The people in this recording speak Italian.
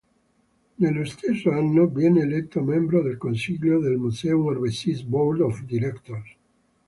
Nello stesso anno viene eletto membro del consiglio del Museum Overseas Board of Directors.